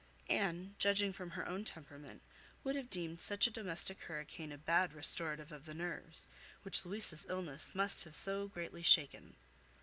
Anne, judging from her own temperament, would have deemed such a domestic hurricane a bad restorative of the nerves, which Louisa's illness must have so greatly shaken.